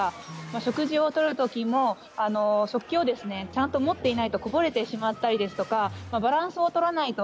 食事をとる時も食器をちゃんと持っていないとこぼれてしまったりとかバランスを取らないと